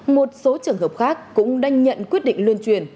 một số trường hợp khác cũng đang nhận quyết định luân truyền